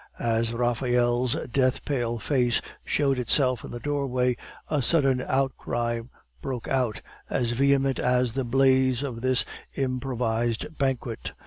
As Raphael's death pale face showed itself in the doorway, a sudden outcry broke out, as vehement as the blaze of this improvised banquet.